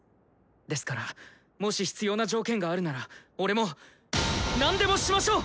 ですからもし必要な条件があるなら俺も「何でも」しましょう！